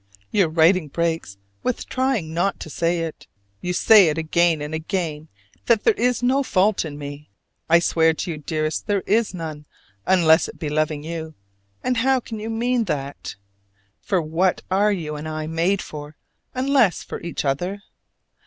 Your writing breaks with trying not to say it: you say again and again that there is no fault in me. I swear to you, dearest, there is none, unless it be loving you: and how can you mean that? For what are you and I made for unless for each other?